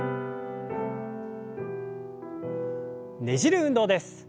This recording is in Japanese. ねじる運動です。